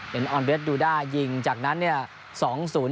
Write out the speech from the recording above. เป็นออนเวสดูด้ายิงจากนั้นเนี่ย